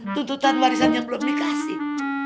tuntutan warisan yang belum dikasih